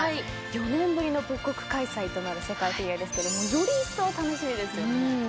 ４年ぶりの母国開催となる世界フィギュアですがよりいっそう楽しみですね。